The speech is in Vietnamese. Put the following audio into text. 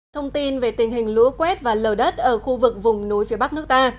thông tin về tình hình lũa quét và lờ đất ở khu vực vùng núi phía bắc nước ta